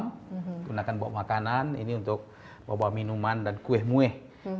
menggunakan untuk bawa makanan ini untuk bawa bawa minuman dan kueh mueh